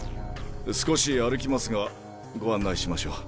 少し歩きますがご案内しましょう。